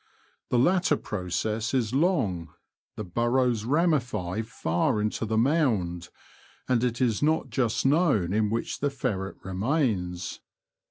The latter process is long, the burrows ramify far into the mound, and it is not just known in which the ferret remains.